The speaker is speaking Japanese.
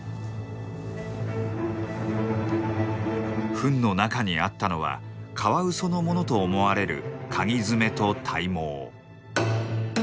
フンの中にあったのはカワウソのものと思われるかぎ爪と体毛。